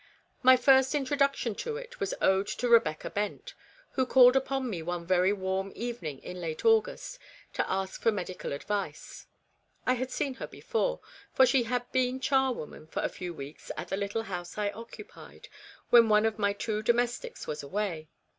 My first introduction to it was owed to Eebecca Bent, who called upon me one very warm evening in late August to ask for medi cal advice. I had seen her before, for she had 200 REBECCAS REMORSE. been charwoman for a few weeks at the little house I occupied, when one of my two domes tics was away.